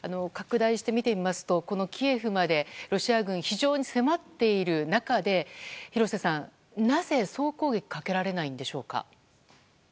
拡大して見てみますとキエフまでロシア軍非常に迫っている中で廣瀬さん、なぜ総攻撃をかけられないのでしょうか。